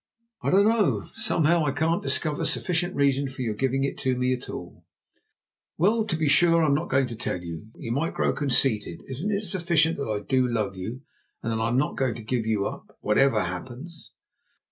"I don't know. Somehow I can't discover sufficient reason for your giving it to me at all." "Well, be sure I'm not going to tell you. You might grow conceited. Isn't it sufficient that I do love you, and that I am not going to give you up, whatever happens?"